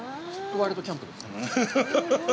ワイルドキャンプですね。